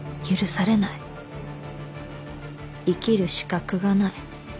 「生きる資格がない。